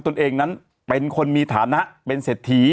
ตัวเองนั้นเป็นคนมีฐานะเป็นเศรษฐี